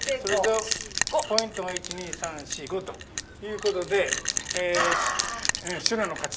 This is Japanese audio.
ポイントが１・２・３・４・５ということで白の勝ち。